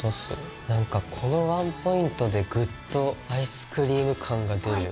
なんかこのワンポイントでぐっとアイスクリーム感が出る。